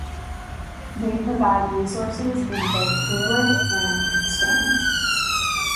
They provide resources in both English and Spanish.